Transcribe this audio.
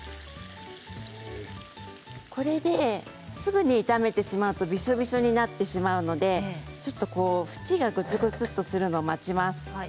これで、すぐに炒めてしまうとびしょびしょになってしまうのでちょっと縁がグツグツとするのを待ちます。